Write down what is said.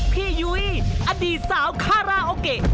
ยุ้ยอดีตสาวคาราโอเกะ